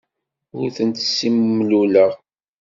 Ur tent-ssimluleɣ.